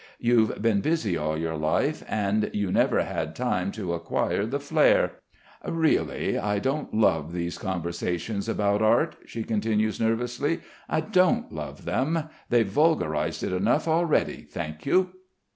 You've been busy all your life, and you never had time to acquire the flair. Really ... I don't love these conversations about art!" she continues nervously. "I don't love them. They've vulgarised it enough already, thank you."